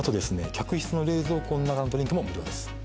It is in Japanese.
客室の冷蔵庫の中のドリンクも無料です